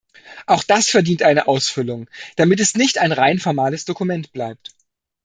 Auch das verdient eine Ausfüllung, damit es nicht ein rein formales Dokument bleibt.